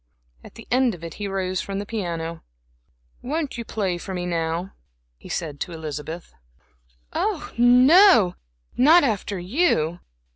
At the end of it he rose from the piano. "Won't you play for me now," he said to Elizabeth. "Oh, no, not after you."